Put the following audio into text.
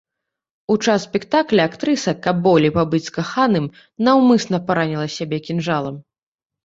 У час спектакля актрыса, каб болей пабыць з каханым, наўмысна параніла сябе кінжалам.